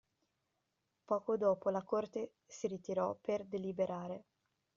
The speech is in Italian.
Poco dopo la Corte si ritirò per deliberare.